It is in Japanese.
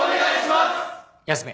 休め。